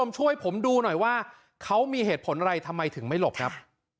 ช่วยผมดูหน่อยว่าเขามีเหตุผลอะไรทำไมถึงไม่หลบครับ